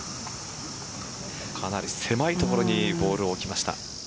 かなり狭い所にボールを置きました。